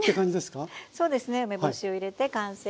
そうですね梅干しを入れて完成です。